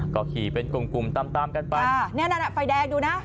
ก็ขี่เป็นกลุ่มกลุ่มตามตามกันไปอ่าเนี่ยนั่นอ่ะไฟแดงดูนะ